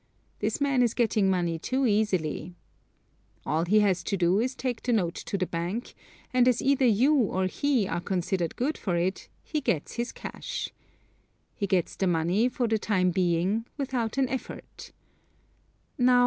This man is getting money too easily. All he has to do is take the note to the bank, and as either you or he are considered good for it, he gets his cash. He gets the money, for the time being, without an effort.